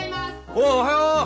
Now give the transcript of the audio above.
おうおはよう！